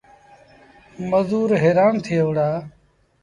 مزور هيرآن ٿئي وُهڙآ۔